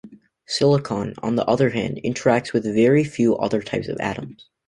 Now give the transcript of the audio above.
Silicon, on the other hand, interacts with very few other types of atoms.